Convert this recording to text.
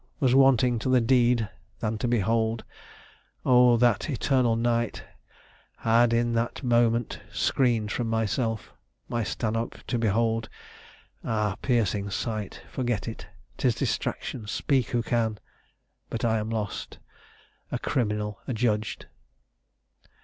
was wanting to the deed, Than to behold Oh! that eternal night Had in that moment screened from myself! My Stanhope to behold! Ah! piercing sight! Forget it; 'tis distraction: speak who can! But I am lost! a criminal adjudged!"